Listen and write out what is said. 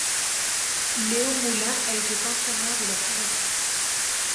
Léo Moulin a été pensionnaire de la Fondation.